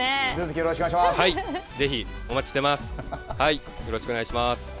よろしくお願いします。